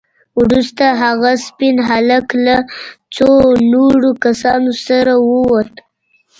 وروسته هغه سپين هلک له څو نورو کسانو سره ووت.